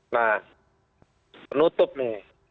nah penutup nih